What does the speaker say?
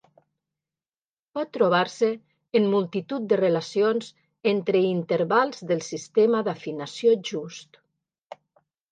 Pot trobar-se en multitud de relacions entre intervals del sistema d'afinació just.